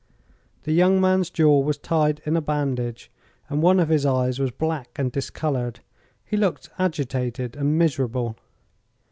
The young man's jaw was tied in a bandage and one of his eyes was black and discolored. He looked agitated and miserable.